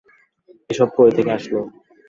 এসব কই থেকে আসল?